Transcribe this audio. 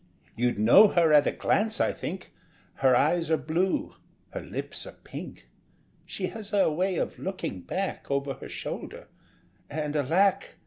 You'd know her at a glance, I think; Her eyes are blue, her lips are pink; She has a way of looking back Over her shoulder, and, alack!